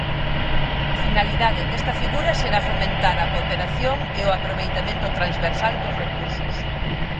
A finalidade desta figura será fomentar a cooperación e o aproveitamento transversal dos recursos.